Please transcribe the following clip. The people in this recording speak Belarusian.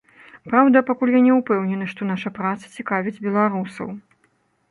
Праўда, пакуль я не ўпэўнены, што наша праца цікавіць беларусаў.